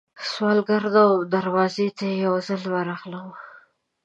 سوالګره نه وم، دروازې ته یې یوځل ورغلم